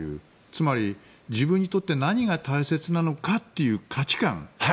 つまり、自分にとって何が大切なのかという価値観。